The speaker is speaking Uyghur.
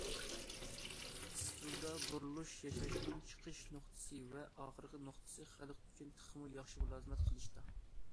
ئىستىلدا بۇرۇلۇش ياساشنىڭ چىقىش نۇقتىسى ۋە ئاخىرقى نۇقتىسى خەلق ئۈچۈن تېخىمۇ ياخشى مۇلازىمەت قىلىشتا.